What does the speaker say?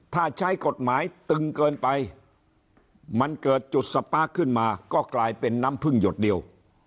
ถ้าใช้กฎหมายตึงเกินไปมันเกิดจุดสปาร์คขึ้นมาก็กลายเป็นน้ำพึ่งหยดเดียว